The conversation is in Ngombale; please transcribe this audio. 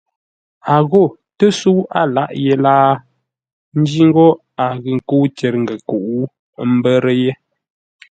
A ghó tə́səu a láʼ yé láa ńjí ńgó a ghʉ nkə́u tyer-ngənkuʼu, ə́ mbə́rə́ yé.